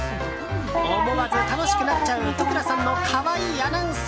思わず楽しくなっちゃう土倉さんの可愛いアナウンス。